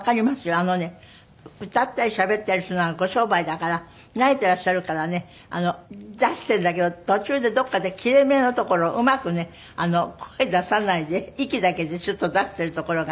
あのね歌ったりしゃべったりするのがご商売だから慣れてらっしゃるからね出してるんだけど途中でどこかで切れ目のところをうまくね声出さないで息だけでシュッと出してるところがあったりして。